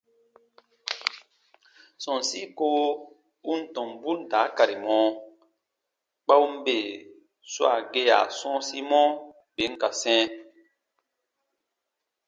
Sɔ̃ɔsi kowo u n tɔmbun daakari mɔ kpa u n bè swaa gea sɔ̃ɔsimɔ, bè n ka sɛ̃.